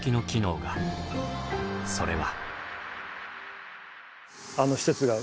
それは。